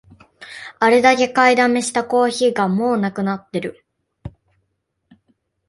あれだけ買いだめしたコーヒーがもうなくなってる